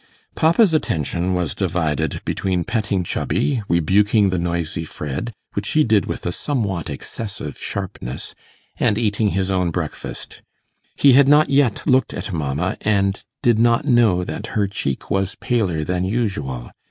Papa's attention was divided between petting Chubby, rebuking the noisy Fred, which he did with a somewhat excessive sharpness, and eating his own breakfast. He had not yet looked at Mamma, and did not know that her cheek was paler than usual.